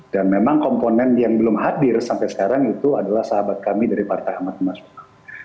dan memang komponen yang belum hadir sampai sekarang itu adalah sahabat kami dari partai ahmad mas menteri